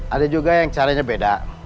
ada juga yang caranya beda